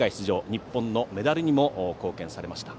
日本のメダルにも貢献されました